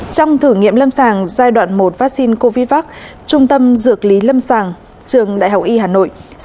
trong thử nghiệm lâm sàng giai đoạn một vaccine covid trung tâm dược lý lâm sàng trường đại học y hà nội